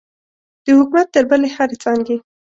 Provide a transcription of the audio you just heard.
د حکومت تر بلې هرې څانګې.